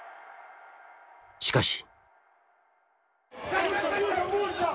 しかし。